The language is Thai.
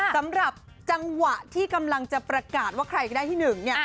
สำหรับจังหวะที่กำลังจะประกาศว่าใครก็ได้ที่๑เนี่ย